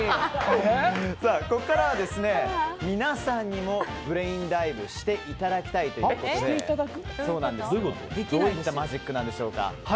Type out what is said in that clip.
ここからは皆さんにもブレインダイブをしていただきたいということでどのようなマジックなんでしょうか。